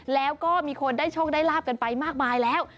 แล้วก็มีคนได้โชคได้ลาบกันไปมากมายแล้ว